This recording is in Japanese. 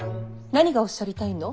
何がおっしゃりたいの。